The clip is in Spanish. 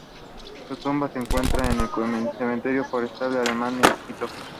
Su tumba se encuentra en el cementerio forestal alemán en Quito.